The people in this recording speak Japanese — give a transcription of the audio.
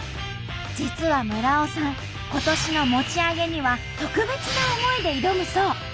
実は村尾さん今年の餅上げには特別な思いで挑むそう。